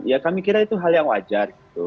ya kami kira itu hal yang wajar gitu